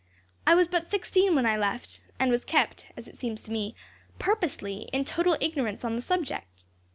I was but sixteen when I left, and was kept, as it seems to me, purposely, in total ignorance on the subject.